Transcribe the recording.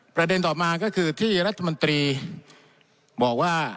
ประเด็นต่อมาก็คือที่รัฐมนตรีบอกว่า